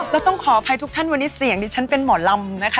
แล้วต้องขออภัยทุกท่านวันนี้เสียงดิฉันเป็นหมอลำนะคะ